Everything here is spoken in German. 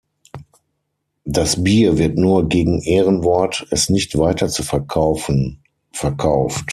Das Bier wird nur gegen Ehrenwort, es nicht weiterzuverkaufen, verkauft.